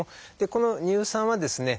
この乳酸はですね